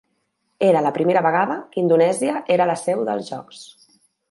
Era la primera vegada que Indonèsia era la seu dels jocs.